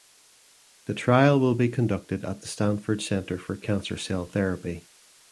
The trial will be conducted at the Stanford Center for Cancer Cell Therapy.